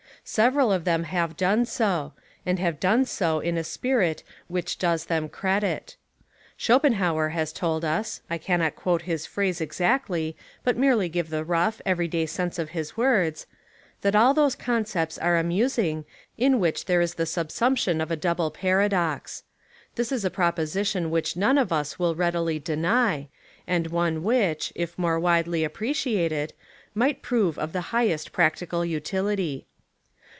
Several of them have done so, and have done so in a spirit which does them lOO American Humour credit. Schopenhauer has told us — I cannot quote his phrase exactly but merely give the rough, every day sense of his words — that all those concepts are amusing in which there is the subsumption of a double paradox. This is a proposition which none of us will readily deny, and one which, if more widely appreciated, might prove of the highest practical utility.